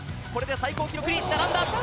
これで最高記録に並んだ。